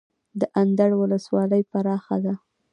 د اندړ ولسوالۍ پراخه ده